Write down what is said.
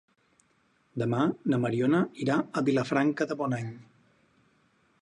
Demà na Mariona irà a Vilafranca de Bonany.